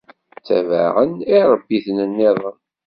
Ttabaɛen iṛebbiten-nniḍen.